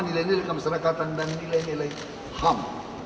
nilainya dari kemasyarakatan dan nilainya dari ham